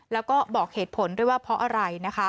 แล้วก็บอกเหตุผลด้วยว่าเพราะอะไรนะคะ